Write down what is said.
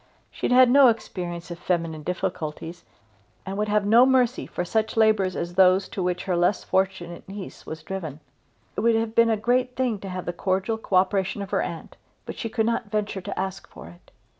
She had had no experience of feminine difficulties, and would have no mercy for such labours as those to which her less fortunate niece was driven. It would have been a great thing to have the cordial co operation of her aunt; but she could not venture to ask for it.